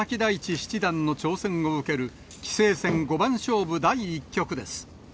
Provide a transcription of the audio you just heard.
七段の挑戦を受ける棋聖戦五番勝負第１局です。